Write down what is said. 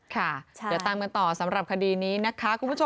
ค่ะเดี๋ยวตามกันต่อสำหรับคดีนี้นะคะคุณผู้ชม